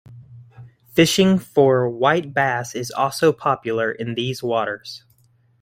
Fishing for white bass is also popular in these waters.